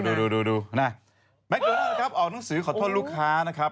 แมคโดนัลนะครับออกหนังสือขอโทษลูกค้านะครับ